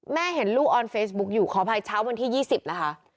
แม่เห็นลูกออนเฟซบุ๊คอยู่ขออภัยเช้าวันที่๒๐นะคะ